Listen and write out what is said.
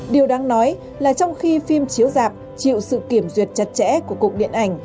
điều đáng nói là trong khi phim chiếu dạp chịu sự kiểm duyệt chặt chẽ của cục điện ảnh